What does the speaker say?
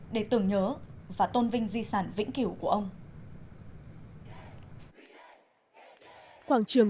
để tưởng nhớ và tôn vinh di sản vĩnh cửu của ông